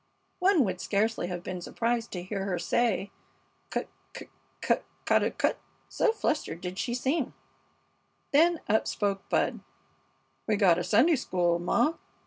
One would scarcely have been surprised to hear her say, "Cut cut cut ca daw cut?" so fluttered did she seem. Then up spoke Bud. "We gotta Sunday school, ma!"